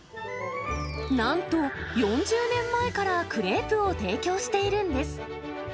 なんと、４０年前からクレープを提供しているんです。